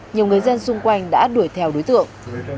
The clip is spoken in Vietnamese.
nhiều người dân xung quanh đã đuổi theo đối tượng